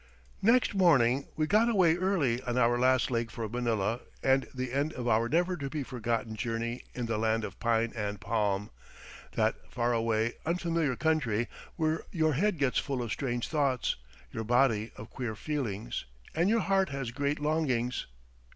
Next morning we got away early on our last leg for Manila and the end of our never to be forgotten journey in the Land of Pine and Palm that far away, unfamiliar country where your head gets full of strange thoughts, your body of queer feelings, and your heart has great longings.